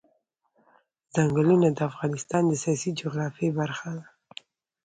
ځنګلونه د افغانستان د سیاسي جغرافیه برخه ده.